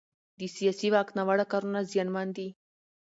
د سیاسي واک ناوړه کارونه زیانمن دي